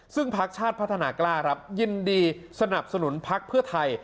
ซึ่งพักชาติพัฒนากล้าครับยินดีสนับสนุนพักเพื่อไทย